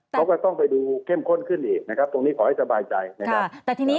เค้าก็ต้องไปดูเข้มข้นขึ้นอีกตรงนี้ขอให้สบายใจ